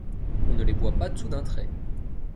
on ne les boit pas tout d’un trait.